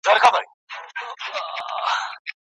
ایا څېړونکی باید د متن جوړښت تحلیل کړي؟